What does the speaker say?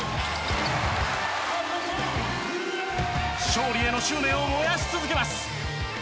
勝利への執念を燃やし続けます。